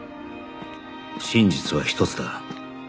真実は一つだ